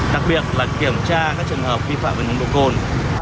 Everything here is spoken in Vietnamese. đặc biệt là kiểm tra các trường hợp vi phạm về nồng độ cồn